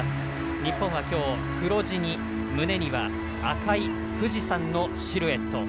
日本はきょう、黒地に胸には赤い富士山のシルエット。